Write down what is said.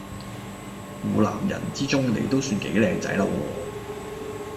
湖南人之中你都算幾靚仔喇喎